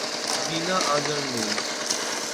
মিনা আজ আর নেই।